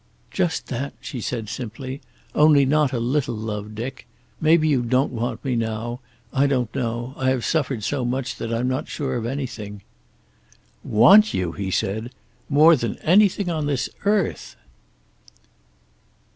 "Just that," she said simply. "Only not a little love, Dick. Maybe you don't want me now. I don't know. I have suffered so much that I'm not sure of anything." "Want you!" he said. "More than anything on this earth."